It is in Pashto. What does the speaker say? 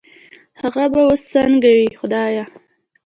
هغه به وس سنګه وي خدايه